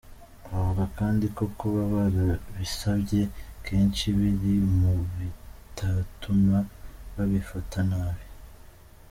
Bavuga kandi ko kuba barabisabye kenshi biri mu bitatuma babifata nabi.